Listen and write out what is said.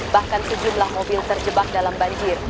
bahkan sejumlah mobil terjebak dalam banjir